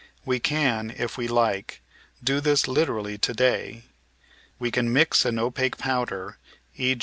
We can, if we like, do this literally to day. We can mix an opaque powder, e.